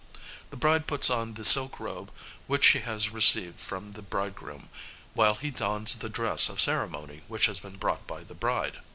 The bride puts on the silk robe which she has received from the bridegroom, while he dons the dress of ceremony which has been brought by the bride.